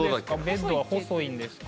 ベッドは細いんですか？